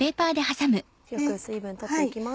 よく水分取って行きます。